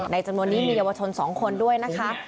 จำนวนนี้มีเยาวชน๒คนด้วยนะคะ